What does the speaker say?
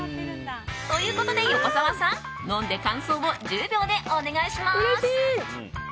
ということで、横澤さん飲んで感想を１０秒でお願いします。